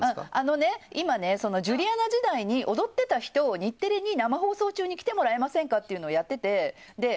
今、ジュリアナ時代に踊っていた人を日テレに生放送中に来てもらえませんかっていうのをやっていて。